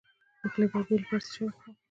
د خولې د بد بوی لپاره باید څه شی وخورم؟